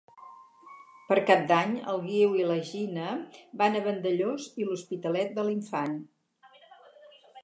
Per Cap d'Any en Guiu i na Gina van a Vandellòs i l'Hospitalet de l'Infant.